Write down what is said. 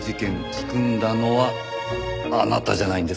仕組んだのはあなたじゃないんですか？